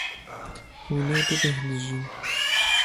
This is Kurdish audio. Hûn ê bibêhnijin.